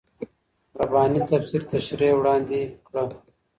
رباني تفسیر تشريح وړاندې کړه.